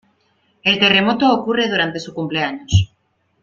El terremoto ocurre durante su cumpleaños.